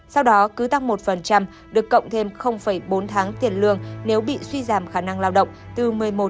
sau đó cứ tăng một được cộng thêm bốn tháng tiền lương nếu bị suy giảm khả năng lao động từ một mươi một một